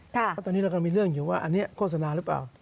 เพราะตอนนี้เราก็มีเรื่องอยู่ว่าอันนี้โฆษณาหรือเปล่า